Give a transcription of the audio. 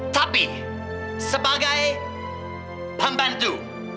tapi sebagai pembantu